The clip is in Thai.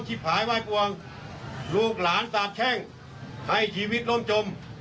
ชีพหายแม่บวงลูกหลานตาแช่งให้ชีวิตร่มจม